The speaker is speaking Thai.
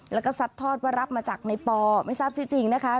แล้วก็ซัดทอดว่ารับมาจากในปอไม่ทราบที่จริงนะคะ